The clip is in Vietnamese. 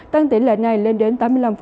tăng tỷ lệ này lên đến tám mươi năm